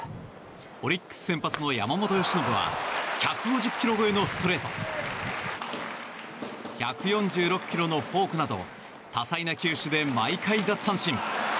オリックス先発の山本由伸は１５０キロ超えのストレート１４６キロのフォークなど多彩な球種で毎回奪三振。